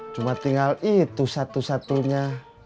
cuma tinggal itu satu satunya